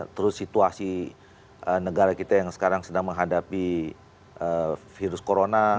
terus situasi negara kita yang sekarang sedang menghadapi virus corona